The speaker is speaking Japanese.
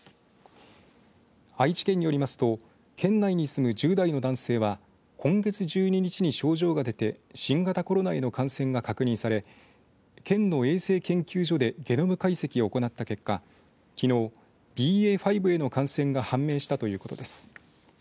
愛知県よりますと県内に住む１０代の男性は今月１２日に症状が出て新型コロナへの感染が確認され県の衛生研究所でゲノム解析行った結果きのうＢＡ．５への感染が判明したということです。